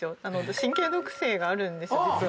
神経毒性があるんですよ実は。